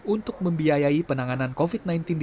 untuk membiayai penanganan covid sembilan belas di daerah indonesia